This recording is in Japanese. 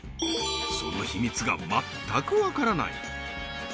その秘密が全くわからない